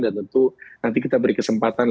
dan tentu nanti kita beri kesempatan